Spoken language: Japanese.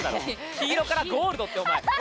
黄色からゴールドってお前。